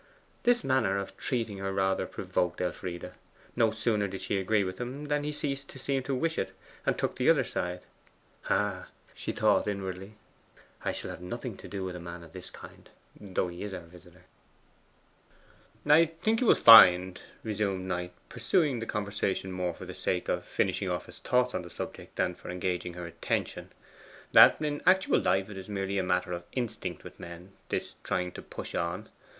This manner of treating her rather provoked Elfride. No sooner did she agree with him than he ceased to seem to wish it, and took the other side. 'Ah,' she thought inwardly, 'I shall have nothing to do with a man of this kind, though he is our visitor.' 'I think you will find,' resumed Knight, pursuing the conversation more for the sake of finishing off his thoughts on the subject than for engaging her attention, 'that in actual life it is merely a matter of instinct with men this trying to push on.